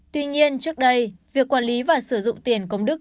tuy nhiên trước đây việc quản lý và sử dụng tiền công đức